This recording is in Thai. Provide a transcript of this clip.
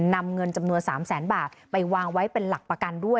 นำเงินจำนวน๓แสนบาทไปวางไว้เป็นหลักประกันด้วย